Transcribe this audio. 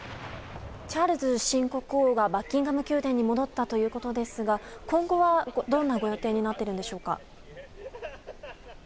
チャールズ新国王はバッキンガム宮殿に戻ったということですが今後はどんなご予定になっているんでしょうか。